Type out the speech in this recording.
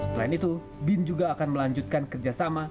selain itu bin juga akan melanjutkan kerjasama